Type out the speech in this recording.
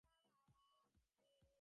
অবিনাশ কহিল, সে কী কথা!